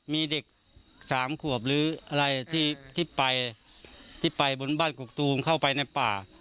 มีเด็กสามขวบหรืออะไรที่ไปที่ไปบนบ้านกกตูมเข้าไปในป่า